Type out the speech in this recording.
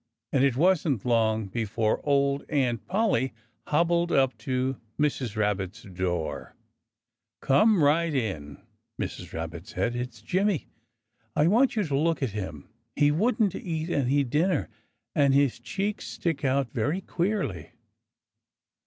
And it wasn't long before old Aunt Polly hobbled up to Mrs. Rabbit's door. "Come right in!" Mrs. Rabbit said. "It's Jimmy! I want you to look at him. He wouldn't eat any dinner, and his cheeks stick out very queerly."